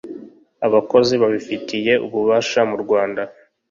abakozi babifitiye ububasha mu Rwanda